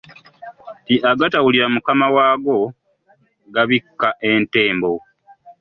Agatawulira mukama waago gabikka entembo